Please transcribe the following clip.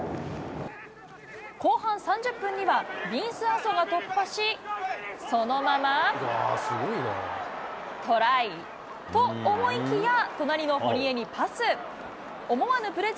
後半３０分には、ビンスアソが突破し、そのままトライ、と思いきや、隣の堀江にパス。